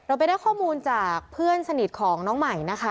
ไปได้ข้อมูลจากเพื่อนสนิทของน้องใหม่นะคะ